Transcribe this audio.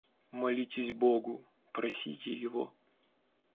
Молитесь Богу, просите Его.